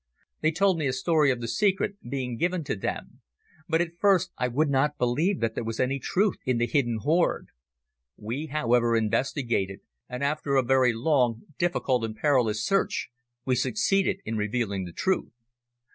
They told me a story of the secret being given to them, but at first I would not believe that there was any truth in the hidden hoard. We, however, investigated, and after a very long, difficult and perilous search we succeeded in revealing the truth."